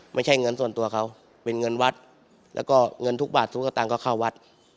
ไม่ใช่เงินส่วนตัวเขาเป็นเงินวัดแล้วก็เงินทุกบาททุกสตางค์ก็เข้าวัด